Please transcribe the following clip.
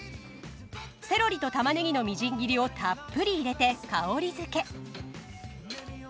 セロリとたまねぎのみじん切りをたっぷり入れて香りづけ。